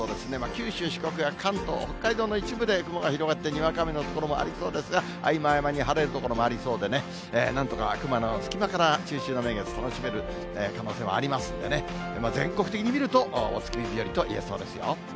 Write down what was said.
九州、四国や関東、北海道の一部で雲が広がって、にわか雨の所もありそうですが、合間合間に晴れる所もありそうでね、なんとか雲の隙間から中秋の名月、楽しめる可能性もありますんでね、全国的に見ると、お月見日和といえそうですよ。